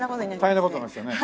大変な事になりますよね。